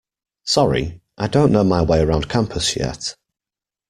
Sorry, I don't know my way around campus yet.